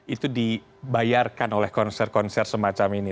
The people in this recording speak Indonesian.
itu dibayarkan oleh konser konser semacam ini